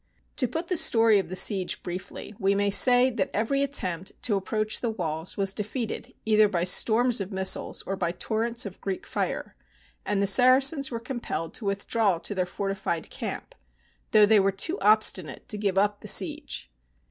To put the story of the siege briefly, we may say that every attempt to approach the walls was de feated either by storms of missiles or by torrents of Greek fire, and the Saracens were compelled to withdraw to their fortified camp, though they were too obstinate to give up the siege.